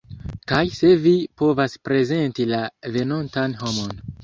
Kaj se vi povas prezenti la venontan homon